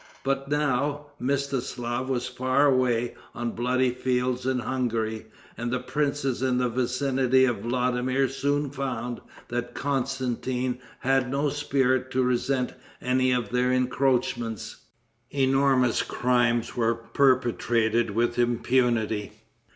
But now, Mstislaf was far away on bloody fields in Hungary, and the princes in the vicinity of Vladimir soon found that Constantin had no spirit to resent any of their encroachments. Enormous crimes were perpetrated with impunity.